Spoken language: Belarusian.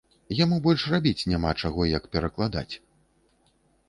Яму больш рабіць няма чаго, як перакладаць.